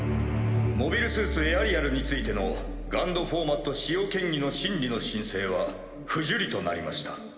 モビルスーツエアリアルについてのＧＵＮＤフォーマット使用嫌疑の審議の申請は不受理となりました。